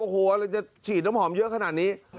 โอ้โฮอันนี้สิจะฉีดน้ำหอมเยอะขนาดนี้